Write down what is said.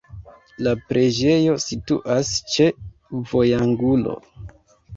La preĝejo situas ĉe vojangulo.